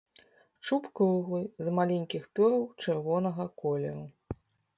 Чуб круглы, з маленькіх пёраў чырвонага колеру.